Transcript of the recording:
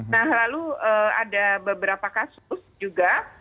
nah lalu ada beberapa kasus juga